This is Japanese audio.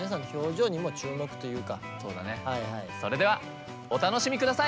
それではお楽しみ下さい！